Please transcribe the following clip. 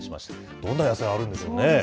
どんな野菜あるんでしょうね。